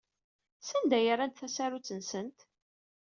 Sanda ay rrant tasarut-nsent?